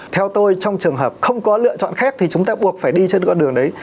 theo tôi trong trường hợp không có lựa chọn khác thì chúng ta buộc phải đi trên đoạn đường đấy